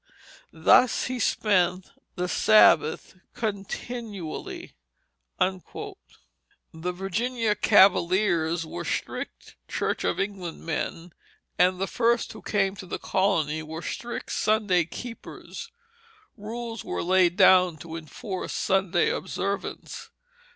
Thus he spent the Sabbath continually." The Virginia Cavaliers were strict Church of England men and the first who came to the colony were strict Sunday keepers. Rules were laid down to enforce Sunday observance.